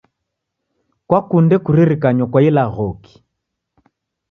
Kwakunde kuririkanyo kwa ilaghoki?